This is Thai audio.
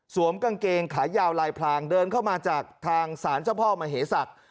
กางเกงขายาวลายพลางเดินเข้ามาจากทางศาลเจ้าพ่อมเหศักดิ์